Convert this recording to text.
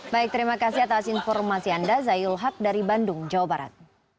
baik terima kasih atas informasi anda zayul haq dari bandung jawa barat